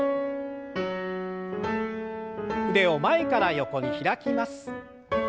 腕を前から横に開きます。